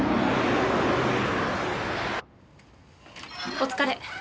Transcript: お疲れ。